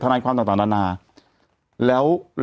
แต่หนูจะเอากับน้องเขามาแต่ว่า